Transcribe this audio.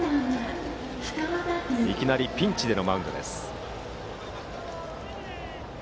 いきなりピンチでのマウンドです。